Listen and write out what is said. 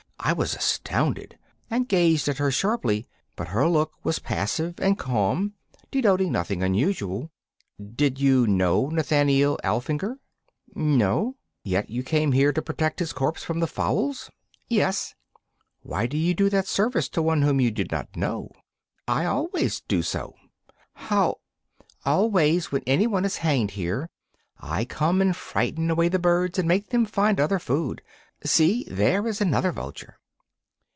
I was astounded, and gazed at her sharply, but her look was passive and calm, denoting nothing unusual. 'Did you know Nathaniel Alfinger?' 'No.' 'Yet you came here to protect his corpse from the fowls?' 'Yes.' 'Why do you do that service to one whom you did not know?' 'I always do so.' 'How !' 'Always when any one is hanged here I come and frighten away the birds and make them find other food. See there is another vulture!